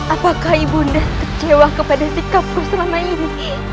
apakah ibu nda tercewa kepada sikapku selama ini